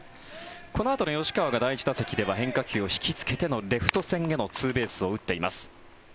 このあとの吉川が第１打席では変化球を引きつけてのレフト線へのツーベースを打っています。